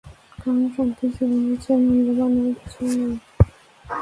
কারণ শান্তির জীবনের চেয়ে মূল্যবান আর কিছুই নেই।